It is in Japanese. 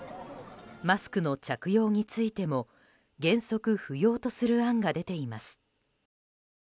マスクの着用についても原則不要とする案が出ています。